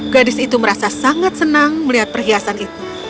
gadis itu merasa sangat senang melihat perhiasan itu